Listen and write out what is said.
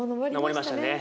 昇りましたね。